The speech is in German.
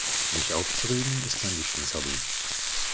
Sich aufzuregen ist sein Lieblingshobby.